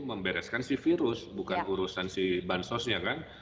membereskan si virus bukan urusan si bansosnya kan